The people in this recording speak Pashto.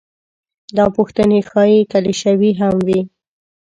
دا پوښتنې ښايي کلیشوي هم وي.